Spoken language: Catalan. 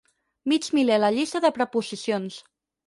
Mig miler a la llista de preposicions.